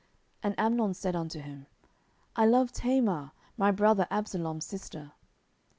And Amnon said unto him, I love Tamar, my brother Absalom's sister.